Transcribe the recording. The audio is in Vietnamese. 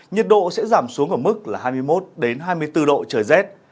nhiệt độ sẽ giảm xuống ở mức là hai mươi một hai mươi bốn độ trời rét